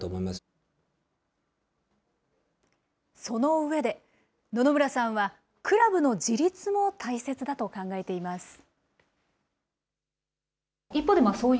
その上で、野々村さんはクラブの自立も大切だと考えています。